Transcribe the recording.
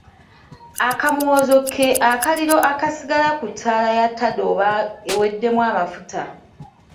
Akamwozo ke akaliro akasigala ku ttaala ya tadooba eweddemu amafuta.